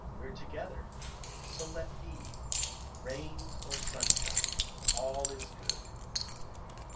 We're together. So let be. Rain or sunshine, all is good